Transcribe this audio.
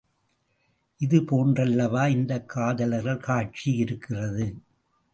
இது போன்றல்லவா இந்தக் காதலர்களின் காட்சி இருக்கிறது.